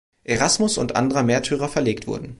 Erasmus und anderer Märtyrer verlegt wurden.